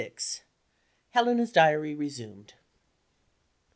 HELENA'S DIARY RESUMED.